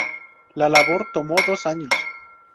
La labor tomó dos años.